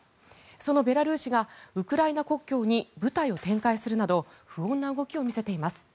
そのベラルーシがウクライナ国境に部隊を展開するなど不穏な動きを見せています。